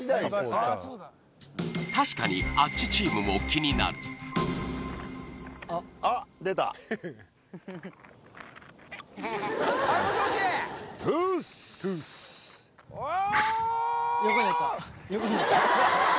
確かにあっちチームも気になるあっ出たおー！